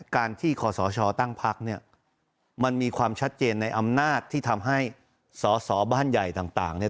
การที่ขอสชตั้งพักเนี่ยมันมีความชัดเจนในอำนาจที่ทำให้สอสอบ้านใหญ่ต่างเนี่ย